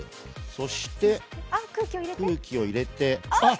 そして空気を入れて、あっ！